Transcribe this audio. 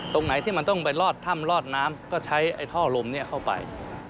ตรงไหนที่มันต้องไปลอดถ้ำลอดน้ำก็ใช้ไอ้ท่อลมนี้เข้าไป